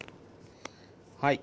はい。